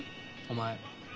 お前。